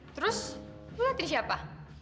terus lo liatin siapa